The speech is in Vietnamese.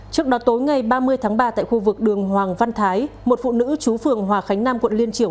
trước đó tối ngày ba mươi tháng ba tại khu vực đường hoàng văn thái một phụ nữ chú phường hòa khánh nam quận liên triều